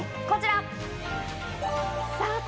こちら。